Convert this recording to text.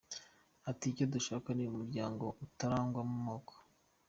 Ati” Icyo dushaka ni umuryango utarangwamo amoko.